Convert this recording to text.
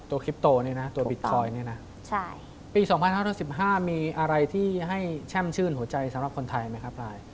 คลิปโตเนี่ยนะตัวบิตคอยน์เนี่ยนะปี๒๕๑๕มีอะไรที่ให้แช่มชื่นหัวใจสำหรับคนไทยไหมครับลาย